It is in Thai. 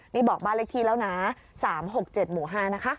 นี่บอกบ้านเล็กทีแล้วนะสามหกเจ็ดหมู่ห้านะคะ